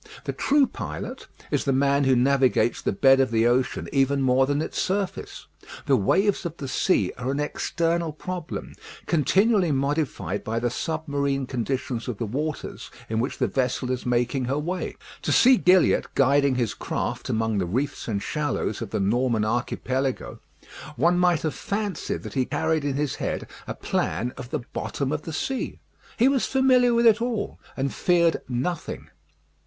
The true pilot is the man who navigates the bed of the ocean even more than its surface. The waves of the sea are an external problem, continually modified by the submarine conditions of the waters in which the vessel is making her way. To see Gilliatt guiding his craft among the reefs and shallows of the Norman Archipelago, one might have fancied that he carried in his head a plan of the bottom of the sea. He was familiar with it all, and feared nothing.